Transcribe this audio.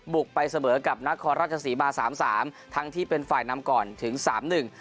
ไปเสมอกับนครราชสีมาสามสามทั้งที่เป็นฝ่ายนำก่อนถึงสามหนึ่ง